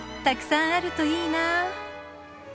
たくさんあるといいな。